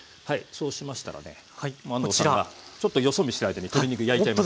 そうしましたらね安藤さんがちょっとよそ見してる間に鶏肉焼いちゃいました。